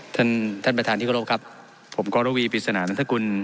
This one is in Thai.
ท่านท่านประธานที่กรบครับผมกรวีพิศนานทคุล